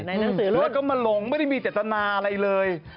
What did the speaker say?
หนังสือรูปแล้วก็มาลงไม่ได้มีเจตนาอะไรเลย